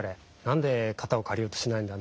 何で肩を借りようとしないんだ？